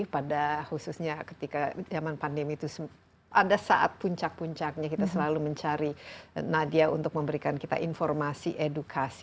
pada khususnya ketika zaman pandemi itu pada saat puncak puncaknya kita selalu mencari nadia untuk memberikan kita informasi edukasi